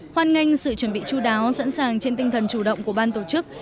hoan nghênh sự chuẩn bị chú đáo sẵn sàng trên tinh thần chủ động của ban tổ chức